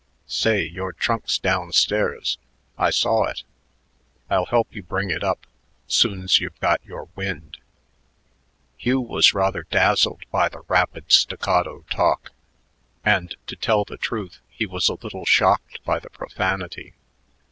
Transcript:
Say, your trunk's down stairs. I saw it. I'll help you bring it up soon's you've got your wind." Hugh was rather dazzled by the rapid, staccato talk, and, to tell the truth, he was a little shocked by the profanity.